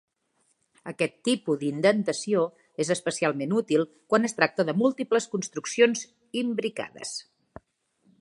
Aquest tipus d'indentació és especialment útil quan es tracta de múltiples construccions imbricades.